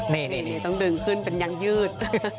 นี่ต้องดึงขึ้นเป็นยังยืด